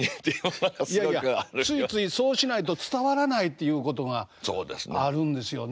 いやいやついついそうしないと伝わらないっていうことがあるんですよね。